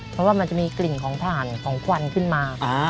เพราะว่ามันจะมีกลิ่นของถ่านของควันขึ้นมา